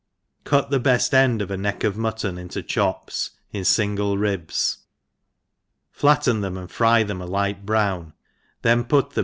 ' CUT the bcft end of a neck of mutton into chops, in fingle ribs, flatten them, and fry them a light brown, then put them.